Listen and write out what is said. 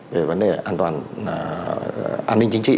về vấn đề an ninh chính trị